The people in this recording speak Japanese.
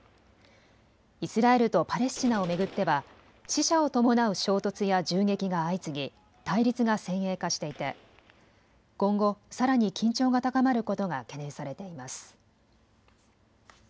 イスラエルとパレスチナを巡っては死者を伴う衝突や銃撃が相次ぎ対立が先鋭化していて今後、さらに緊張が高まることが懸念されています。